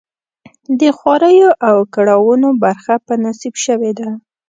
د خواریو او کړاوونو برخه په نصیب شوې ده.